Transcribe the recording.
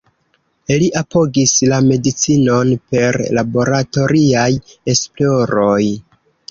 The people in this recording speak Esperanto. Li apogis la medicinon per laboratoriaj esploroj.